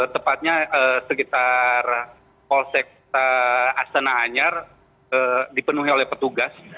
tepatnya sekitar polsek astana anyar dipenuhi oleh petugas